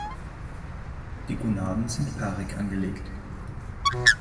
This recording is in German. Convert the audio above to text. Die Gonaden sind paarig angelegt.